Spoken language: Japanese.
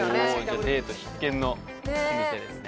じゃあデート必見のお店ですね